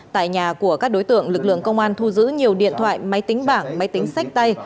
tại nhà của các đối tượng lực lượng công an thu giữ nhiều điện thoại máy tính bảng máy tính sách tay